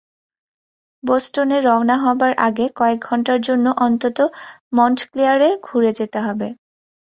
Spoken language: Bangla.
বষ্টনে রওনা হবার আগে কয়েক ঘণ্টার জন্য অন্তত মণ্টক্লেয়ারে ঘুরে যেতে হবে।